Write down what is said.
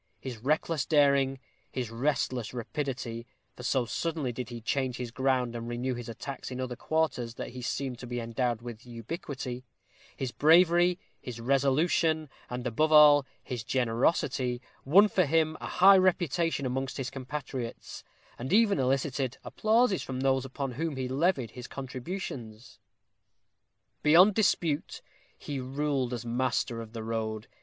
His reckless daring, his restless rapidity for so suddenly did he change his ground, and renew his attacks in other quarters, that he seemed to be endowed with ubiquity, his bravery, his resolution, and, above all, his generosity, won for him a high reputation amongst his compatriots, and even elicited applauses from those upon whom he levied his contributions. Beyond dispute, he ruled as master of the road.